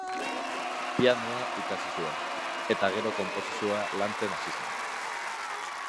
Pianoa ikasi zuen, eta gero konposizioa lantzen hasi zen.